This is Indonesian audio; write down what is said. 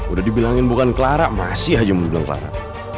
udah dibilangin bukan clara masih aja mau dibilang clara